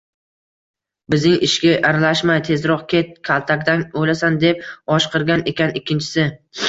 Bizning ishga aralashma, tezroq ket, kaltakdan o‘lasan, deb o‘shqirgan ekan, ikkinchisi